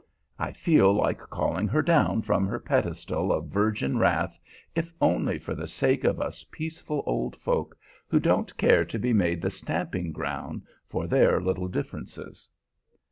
I feel like calling her down from her pedestal of virgin wrath, if only for the sake of us peaceful old folk, who don't care to be made the stamping ground for their little differences.